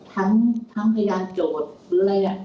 ทั้งพยานโจทย์หรืออะไร